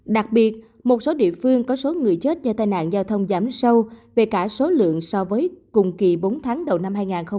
đặc biệt một số địa phương có số người chết do tai nạn giao thông giảm sâu về cả số lượng so với cùng kỳ bốn tháng đầu năm hai nghìn hai mươi ba